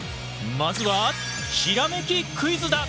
まずはひらめきクイズだ！